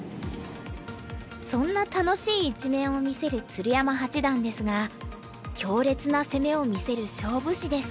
そんな楽しい一面を見せる鶴山八段ですが強烈な攻めを見せる勝負師です。